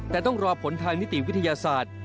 แต่ต้องรอผลทางนิติวิทยาศาสตร์